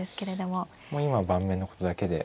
もう今は盤面のことだけで。